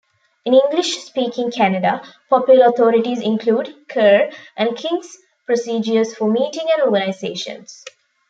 In English-speaking Canada, popular authorities include Kerr and King's "Procedures for Meeting and Organizations".